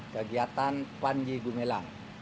kegiatan panji gumilang